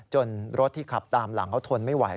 รถที่ขับตามหลังเขาทนไม่ไหว